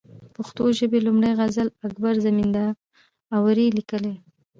د پښتو ژبي لومړنۍ غزل اکبر زمینداوري ليکلې